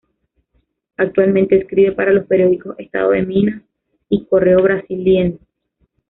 Actualmente escribe para los periódicos "Estado de Minas" y "Correo Brasiliense".